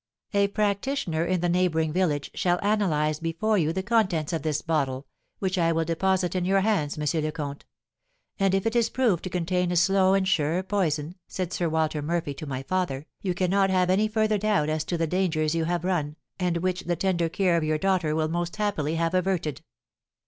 "'A practitioner in the neighbouring village shall analyse before you the contents of this bottle, which I will deposit in your hands, M. le Comte; and if it is proved to contain a slow and sure poison,' said Sir Walter Murphy to my father, 'you cannot have any further doubt as to the dangers you have run, and which the tender care of your daughter will most happily have averted.'